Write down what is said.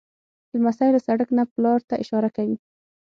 لمسی له سړک نه پلار ته اشاره کوي.